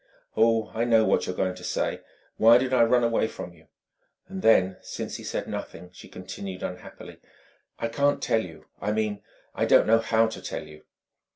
"Oh, I know what you're going to say! Why did I run away from you?" And then, since he said nothing, she continued unhappily: "I can't tell you... I mean, I don't know how to tell you!"